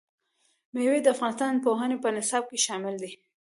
مېوې د افغانستان د پوهنې په نصاب کې شامل دي.